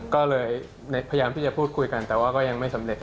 ก็เลยพยายามที่จะพูดคุยกันแต่ว่าก็ยังไม่สำเร็จ